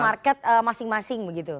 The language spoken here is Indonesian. menjaga kaktif market masing masing begitu